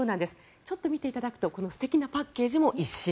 ちょっと見ていただくとこの素敵なパッケージも一新。